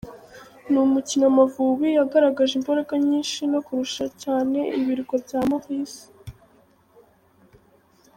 Ni umukino Amavubi yagaragaje imbaraga nyinshi no kurusha cyane Ibirwa bya Maurice.